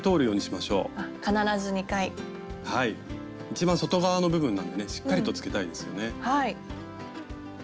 一番外側の部分なんでねしっかりとつけたいですよね。